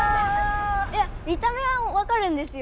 見た目はわかるんですよ。